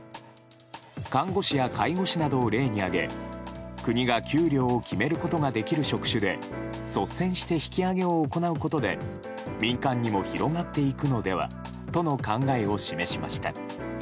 看護師や介護士などを例に挙げ国が給料を決めることができる職種で率先して引き上げを行うことで民間にも広がっていくのではとの考えを示しました。